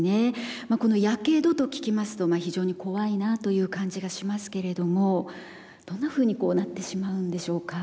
このやけどと聞きますと非常に怖いなという感じがしますけれどもどんなふうにこうなってしまうんでしょうか？